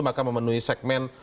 maka memenuhi segmen